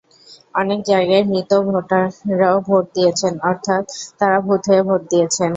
অনেক জায়গায় মৃত ভোটাররাও ভোট দিয়েছেন, অর্থাৎ তাঁরা ভূত হয়ে ভোট দিয়েছেন।